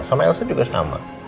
sama elsa juga sama